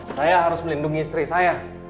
saya harus melindungi istri saya